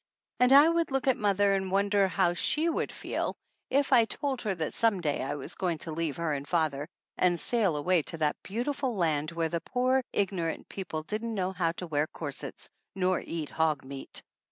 And I would look at mother 35 THE ANNALS OF ANN and wonder how she would feel if I told her that some day I was going to leave her and father and sail away to that beautiful land where the poor, ignorant people didn't know how to wear corsets nor eat hog meat.